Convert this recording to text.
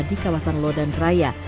di kawasan lodan raya